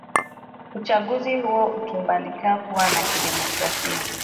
Uchaguzi huo ulitambulikana kuwa wa kidemokrasia